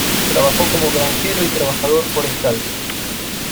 Trabajó como granjero y trabajador forestal.